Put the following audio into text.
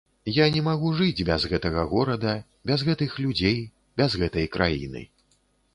Я не магу жыць без гэтага горада, без гэтых людзей, без гэтай краіны.